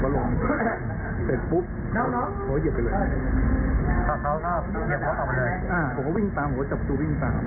ผมก็เหยียบไปผมก็ลงแล้วนด